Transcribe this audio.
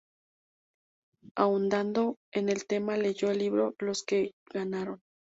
Ahondando en el tema leyó el libro "Los que ganaron.